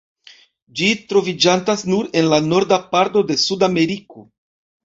Ĝi troviĝantas nur en la norda parto de Sudameriko.